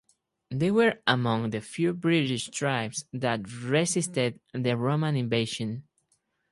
They were among the few British tribes that resisted the Roman invasion.